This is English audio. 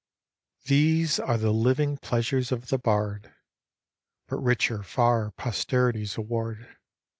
These are the living pleasures of the bard : But richer far posterity's award.